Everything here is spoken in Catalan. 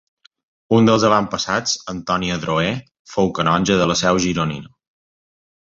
Un dels avantpassats, Antoni Adroer, fou canonge de la Seu gironina.